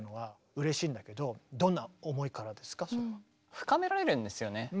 深められるんですよね